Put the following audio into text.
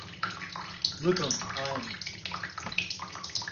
Rhythm" ein.